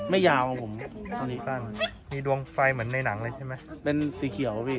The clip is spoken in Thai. ไม่ยาวของผมมีดวงไฟเหมือนในหนังเลยใช่ไหมเป็นสีเขียวอ่ะพี่